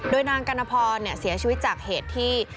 โดยนางกัณพรเสียชีวิตจากเหตุที่